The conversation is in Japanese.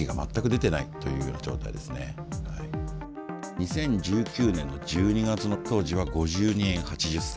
２０１９年１２月の当時は５２円８０銭。